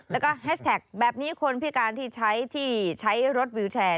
แล้วก็แฮชแท็กแบบนี้คนพิการที่ใช้ที่ใช้รถวิวแชร์